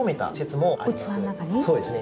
そうですね。